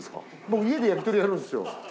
僕家で焼き鳥やるんですよ。